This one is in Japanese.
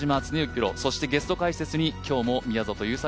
プロ、そしてゲスト解説に今日も宮里優作